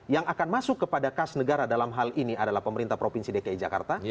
yang akan masuk kepada kas negara dalam hal ini adalah pemerintah provinsi dki jakarta